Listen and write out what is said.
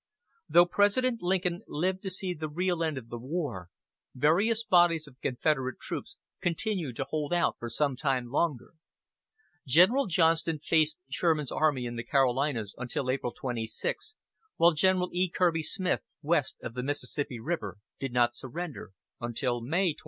Though President Lincoln lived to see the real end of the war, various bodies of Confederate troops continued to hold out for some time longer. General Johnston faced Sherman's army in the Carolinas until April 26, while General E. Kirby Smith, west of the Mississippi River, did not surrender until May 26.